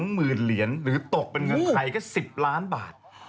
๓๒หมื่นเหรียญหรือตกเป็นใครก็๑๐ล้านบาท